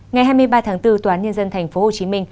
ngày hai mươi ba tháng bốn tòa án nhân dân tp hcm